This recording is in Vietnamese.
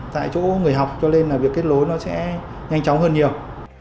tại chỗ người học cho nên là việc kết nối nó sẽ nhanh chóng hơn nhiều